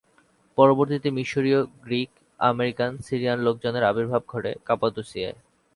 পরবর্তীতে মিশরীয়, Greek, American, Syrian লোকজনের আবির্ভাব ঘটে কাপাদোসিয়ায়।